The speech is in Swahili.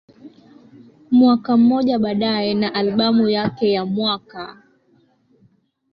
Mwaka mmoja baadaye na albamu yake ya mwaka